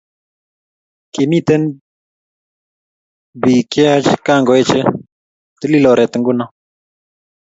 Kimiten beek cheyach kangoeche, tilil oret nguno